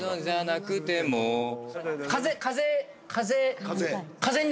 「じゃなくても」風！